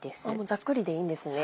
ざっくりでいいんですね。